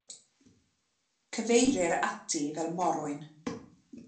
Cyfeirir ati fel morwyn.